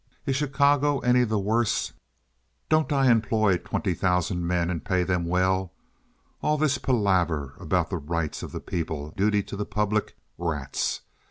Is Chicago any the worse? Don't I employ twenty thousand men and pay them well? All this palaver about the rights of the people and the duty to the public—rats!